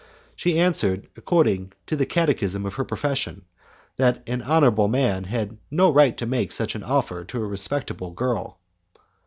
She answered, according to the catechism of her profession, that an honourable man had no right to make such an offer to a respectable girl.